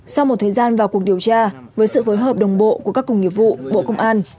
sau một thời gian vào cuộc điều tra với sự phối hợp đồng bộ của các cùng nghiệp vụ bộ công an